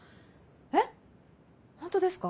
えっホントですか？